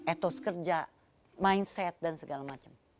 etos kerja mindset dan segala macam